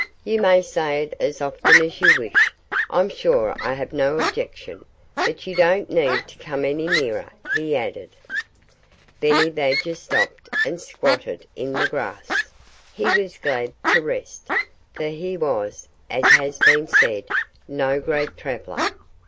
"You may say it as often as you wish. I'm sure I have no objection. ... But you don't need to come any nearer," he added. Benny Badger stopped and squatted in the grass. He was glad to rest, for he was as has been said no great traveller.